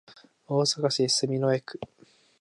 大阪市住之江区